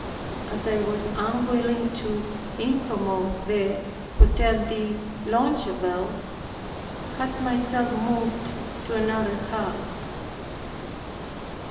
As I was unwilling to incommode the Hotel de Longueville I had myself moved to another house.